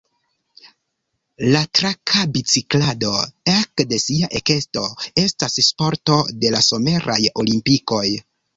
La traka biciklado ekde sia ekesto estas sporto de la Someraj Olimpikoj.